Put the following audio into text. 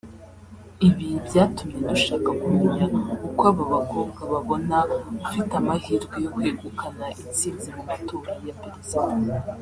Ibi byatumye dushaka kumenya uko aba bakobwa babona ufite amahirwe yo kwegukana intsinzi mu matora ya Perezida